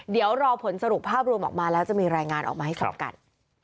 เดี๋ยวรอผลสรุปภาพรวมออกมาแล้วจะมีรายงานออกมาให้ฟังกัน